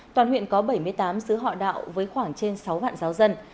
toàn huyện có bảy mươi tám xứ họ đạo với khoảng trên sáu vạn giáo dân